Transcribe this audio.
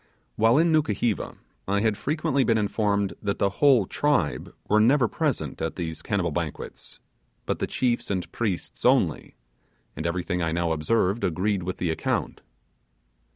While in Nukuheva I had frequently been informed that the whole tribe were never present at these cannibal banquets, but the chiefs and priests only; and everything I now observed agreed with the account.